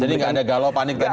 nggak ada galau panik tadi